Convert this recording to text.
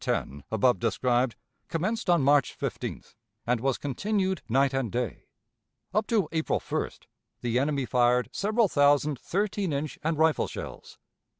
10, above described, commenced on March 15th, and was continued night and day. Up to April 1st the enemy fired several thousand thirteen inch and rifle shells.